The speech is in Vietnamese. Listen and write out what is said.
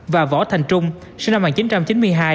và võ thành trung sinh năm một nghìn chín trăm chín mươi hai